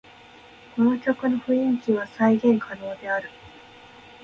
この曲の雰囲気は再現可能である